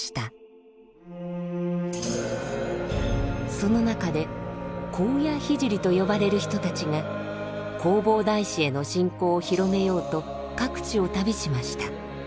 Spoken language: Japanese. その中で「高野聖」と呼ばれる人たちが弘法大師への信仰を広めようと各地を旅しました。